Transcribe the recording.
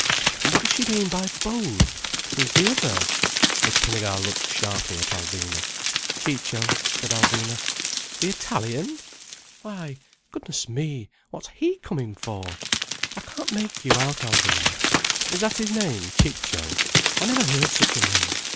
And what does she mean by both. Who's the other?" Miss Pinnegar looked sharply at Alvina. "Ciccio," said Alvina. "The Italian! Why goodness me! What's he coming for? I can't make you out, Alvina. Is that his name, Chicho? I never heard such a name.